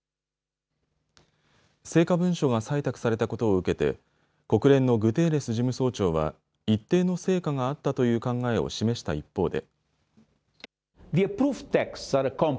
成果文書が採択されたことを受けて国連のグテーレス事務総長は一定の成果があったという考えを示した一方で。